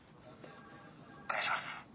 お願いします。